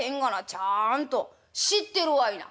ちゃんと知ってるわいな」。